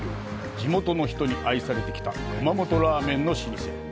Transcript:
地元の人に愛されてきた熊本ラーメンの老舗。